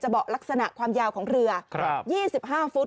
เบาะลักษณะความยาวของเรือ๒๕ฟุต